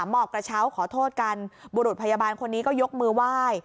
หมอบกระเช้าขอโทษกันบุรุษพยาบาลคนนี้ก็ยกมือไหว้